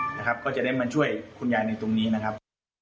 นะครับก็จะได้มาช่วยคุณยายในตรงนี้นะครับ